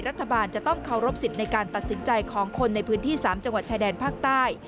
รัฐบาลจะต้องเคารพสิทธิ์ในการตัดสินใจของคนในพื้นที่๓จังหวัดชายแดนภาคใต้